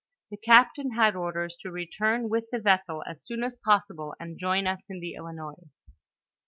The captain had ordere to return with the vessel as soon as possible, and join us in the Ilinois.